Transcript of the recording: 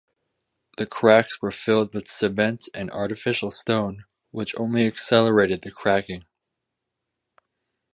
The cracks were filled with cement and artificial stone which only accelerated the cracking.